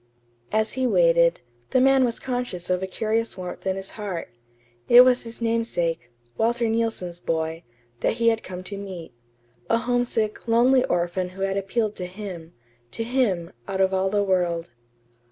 As he waited, the man was conscious of a curious warmth at his heart. It was his namesake, Walter Neilson's boy, that he had come to meet; a homesick, lonely orphan who had appealed to him to him, out of all the world.